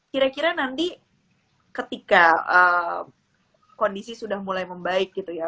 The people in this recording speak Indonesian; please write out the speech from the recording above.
kira kira nanti ketika kondisi sudah mulai membaik gitu ya